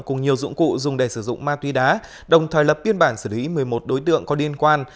cùng nhiều dụng cụ dùng để sử dụng ma túy đá đồng thời lập biên bản xử lý một mươi một đối tượng có liên quan